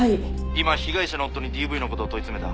今被害者の夫にＤＶのことを問い詰めた。